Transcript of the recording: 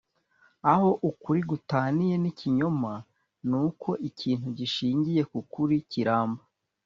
aho ukuri gutaniye n'ikinyoma ni uko ikintu gishingiye ku kuri kiramba